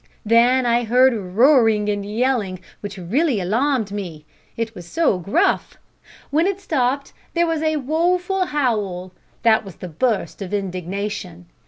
"Then I heard roaring and yelling, which really alarmed me it was so gruff. When it stopped, there was a woeful howl that was the burst of indignation.